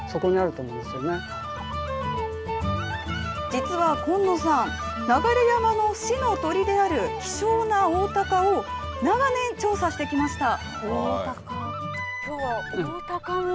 実は紺野さん、流山の市の鳥である、希少なオオタカを長年調査してきました。